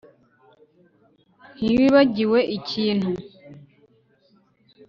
Ntiwibagiwe ikintu